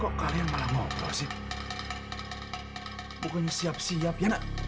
kok kalian malah ngobrol sih pokoknya siap siap ya nak